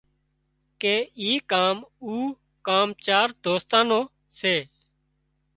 ڪي اي ڪام او ڪام چار دوستان نُون سي